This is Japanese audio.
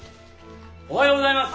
おはようございます。